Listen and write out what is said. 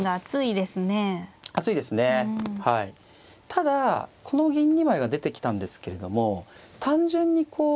ただこの銀２枚が出てきたんですけれども単純にこう